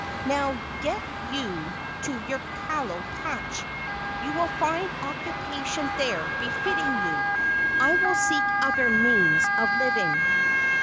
Now get you to your kalo patch; you will find occupation there befitting you! I will seek other means of living!"